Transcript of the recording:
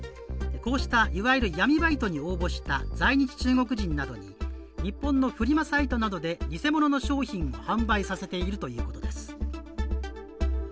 こうしたいわゆる闇バイトに応募した在日中国人などに日本のフリマサイトなどで偽物の商品を販売させているということです。